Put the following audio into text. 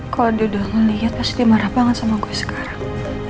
kau duduk melihat pasti marah banget sama gue sekarang